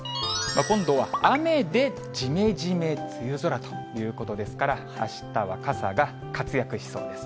今度は雨でじめじめ梅雨空ということですから、あしたは傘が活躍しそうです。